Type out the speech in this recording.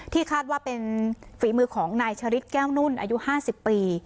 คาดว่าเป็นฝีมือของนายชะริดแก้วนุ่นอายุ๕๐ปี